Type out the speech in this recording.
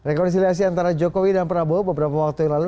rekonsiliasi antara jokowi dan prabowo beberapa waktu yang lalu